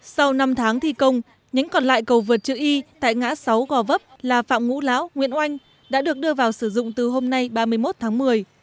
sau năm tháng thi công nhánh còn lại cầu vượt chữ y tại ngã sáu gò vấp là phạm ngũ lão nguyễn oanh đã được đưa vào sử dụng từ hôm nay ba mươi một tháng một mươi